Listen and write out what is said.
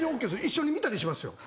一緒に見たりしますよ。